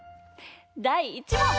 だい１もん！